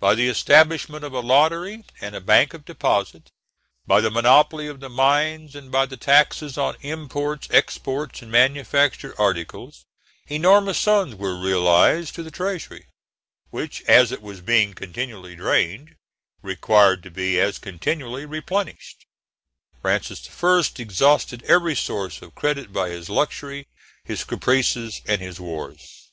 By the establishment of a lottery and a bank of deposit, by the monopoly of the mines and by the taxes on imports, exports, and manufactured articles, enormous sums were realised to the treasury, which, as it was being continually drained, required to be as continually replenished. Francis I. exhausted every source of credit by his luxury, his caprices, and his wars.